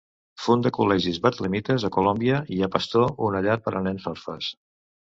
Funda col·legis betlemites a Colòmbia, i a Pasto una llar per a nenes orfes.